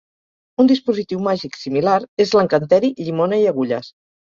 Un dispositiu màgic similar és l'encanteri "llimona i agulles".